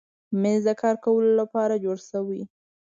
مېز د کار کولو لپاره جوړ شوی.